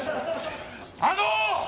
あの！